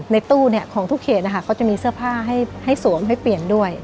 ในตู้ของทุกเขตนะคะเขาจะมีเสื้อผ้าให้สวมให้เปลี่ยนด้วย